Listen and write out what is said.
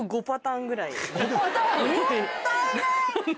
５パターン⁉はい。